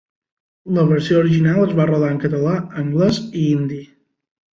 La versió original es va rodar en català, anglès i hindi.